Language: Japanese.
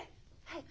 はい。